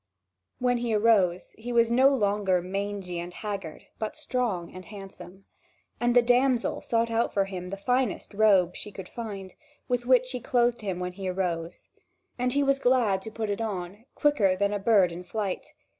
When he arose, he was no longer mangy and haggard, but strong and handsome. And the damsel sought out for him the finest robe she could find, with which she clothed him when he arose. And he was glad to put it on, quicker than a bird in flight.